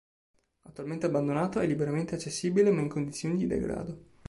Attualmente abbandonato, è liberamente accessibile ma in condizioni di degrado.